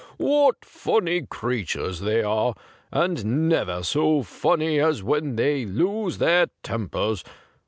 What funny creatures they are, and never so funny as when they lose their tempers